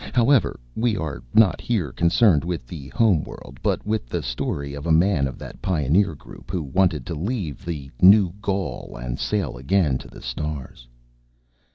However, we are not here concerned with the home world but with the story of a man of that pioneer group who wanted to leave the New Gaul and sail again to the stars....